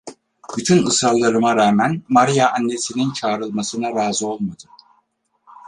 Bütün ısrarlarıma rağmen Maria annesinin çağrılmasına razı olmadı.